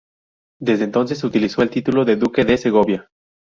Desde entonces utilizó el título de duque de Segovia.